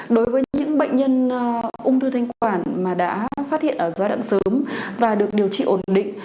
đối với những bệnh nhân ung thư thanh quản mà đã phát hiện ở giai đoạn sớm và được điều trị ổn định